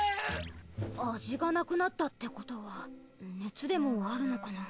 味がなくなったってことは熱でもあるのかな？